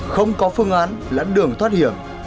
không có phương án lãnh đường thoát hiểm